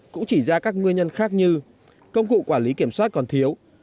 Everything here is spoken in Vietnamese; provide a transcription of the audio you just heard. cũng chỉ ra các nguyên nhân khác như công cụ quản lý kiểm soát còn thiếu